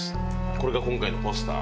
これが今回のポスター？